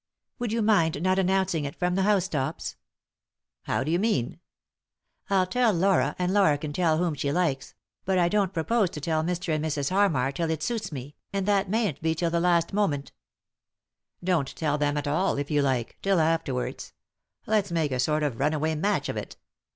"Would you mind not announcing it from the housetops ?"" How do you mean ?" "I'll tell Laura, and Laura can tell whom she likes; but I don't propose to tell Mr. and Mrs. Hannar till it suits me, and that mayn't be till the last moment" " Don't tell them at all, it you like, till afterwards ; let's make a sort of runaway match of it.